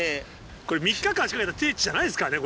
これ３日間仕掛けた定置じゃないですからね